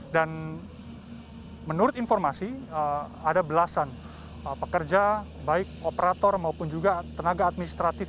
dan menurut informasi ada belasan pekerja baik operator maupun juga tenaga administratif